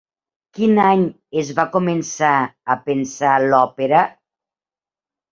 Quin any es va començar a pensar l'òpera?